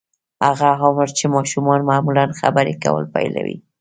هغه عمر چې ماشومان معمولاً خبرې کول پيلوي.